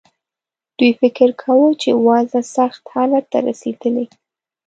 دوی فکر کاوه چې وضع سخت حالت ته رسېدلې.